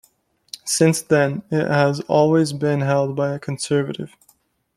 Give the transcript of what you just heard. Since then, it has always been held by a Conservative.